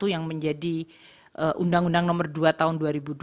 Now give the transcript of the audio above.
yang menjadi undang undang nomor dua tahun dua ribu dua